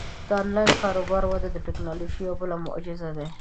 د آنلاین کاروبارونو وده د ټیکنالوژۍ یوه بله معجزه ده.